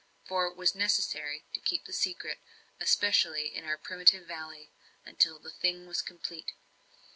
For it was necessary to keep the secret especially in our primitive valley until the thing was complete.